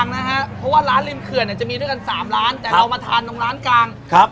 นี่คือร้านรีมเขือนนะครับโคลนแค่ย์ครับ